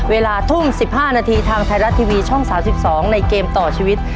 เวลาทุ่ม๑๕นาทีทางไทยรัฐทีวีช่อง๓๒ในเกมต่อชีวิต